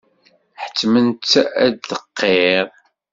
Ḥettment-tt ad d-tqirr.